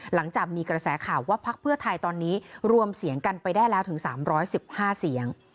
หลังจากมีกระแสข่าวว่าพักเพื่อไทยตอนนี้รวมเสียงกันไปได้แล้วถึง๓๑๕เสียง